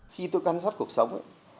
khi tôi can sát cuộc sống